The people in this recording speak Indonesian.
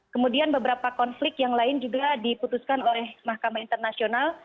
kemudian beberapa konflik yang lain juga diputuskan oleh mahkamah internasional